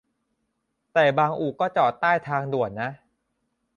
แต่บางอู่ก็จอดใต้ทางด่วนนะ